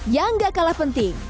yang nggak kalah penting